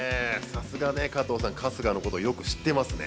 さすが加藤さん、よく春日のこと知ってますね。